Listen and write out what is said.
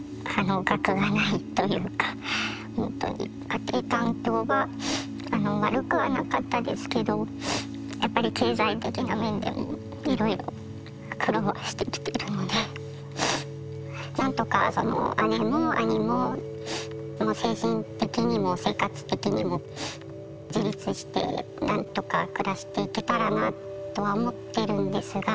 家庭環境は悪くはなかったですけどやっぱり経済的な面でもいろいろ苦労はしてきているので何とか姉も兄も精神的にも生活的にも自立して何とか暮らしていけたらなとは思ってるんですが。